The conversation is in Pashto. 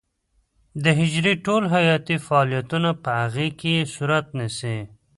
د حجرې ټول حیاتي فعالیتونه په هغې کې صورت نیسي.